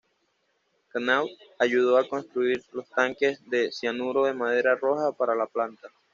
Knott ayudó a construir los tanques de cianuro de madera roja para la planta.